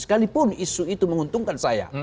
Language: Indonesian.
sekalipun isu itu menguntungkan saya